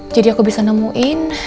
jadi aku bisa nemuin